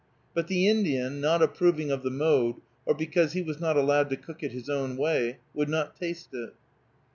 But the Indian, not approving of the mode, or because he was not allowed to cook it his own way, would not taste it.